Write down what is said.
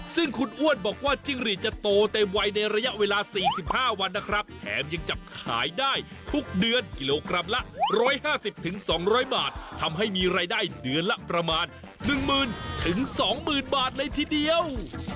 ซึ่งคุณอ้วนบอกว่าจิ้งหรีดจะโตเต็มวัยในระยะเวลา๔๕วันนะครับแถมยังจับขายได้ทุกเดือนกิโลกรัมละ๑๕๐๒๐๐บาททำให้มีรายได้เดือนละประมาณ๑๐๐๐๒๐๐๐บาทเลยทีเดียว